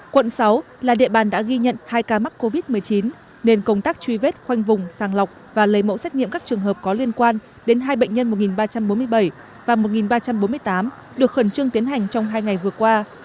quận sáu là địa bàn đã ghi nhận hai ca mắc covid một mươi chín nên công tác truy vết khoanh vùng sàng lọc và lấy mẫu xét nghiệm các trường hợp có liên quan đến hai bệnh nhân một ba trăm bốn mươi bảy và một ba trăm bốn mươi tám được khẩn trương tiến hành trong hai ngày vừa qua